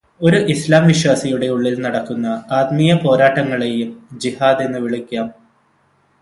ഒരു ഇസ്ലാം വിശ്വാസിയുടെ ഉള്ളില് നടക്കുന്ന ആത്മീയ പോരാട്ടങ്ങളേയും ജിഹാദ് എന്നു വിളിക്കാം.